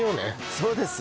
そうですよ